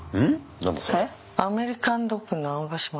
何だそれ。